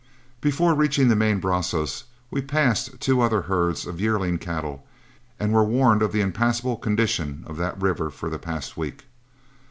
Before reaching the main Brazos, we passed two other herds of yearling cattle, and were warned of the impassable condition of that river for the past week.